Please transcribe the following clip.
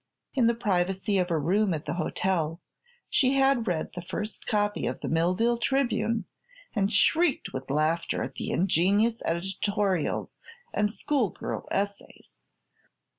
In the privacy of her room at the hotel she had read the first copy of the Millville Tribune and shrieked with laughter at the ingenuous editorials and schoolgirl essays.